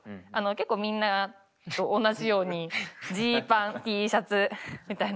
結構みんなと同じようにジーパンＴシャツみたいな。